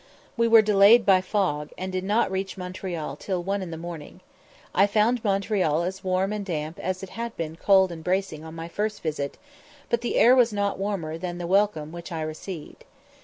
We were delayed by fog, and did not reach Montreal till one in the morning. I found Montreal as warm and damp as it had been cold and bracing on my first visit; but the air was not warmer than the welcome which I received.